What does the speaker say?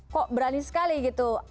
kok berani sekali gitu